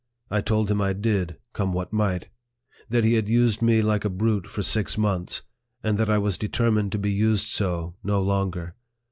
1 told him I did, come what might ; that he had used me like a brute for six months, and that I was determined to be used so no longer.